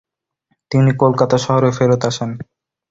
তিনি কলকাতা শহরে ফেরৎ আসেন।